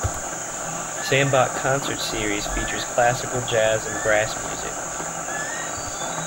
Sandbach Concert Series features classical, jazz and brass music.